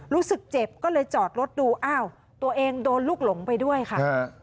รู้สึกเจ็บก็เลยจอดรถดูอ้าวตัวเองโดนลูกหลงไปด้วยค่ะ